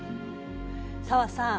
紗和さん